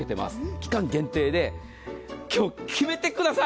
期間限定で今日、決めてください。